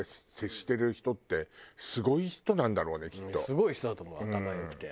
すごい人だと思う頭良くて。